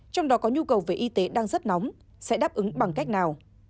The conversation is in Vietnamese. trong đó có nhu cầu về y tế đang rất nóng sẽ đáp ứng bằng cách nào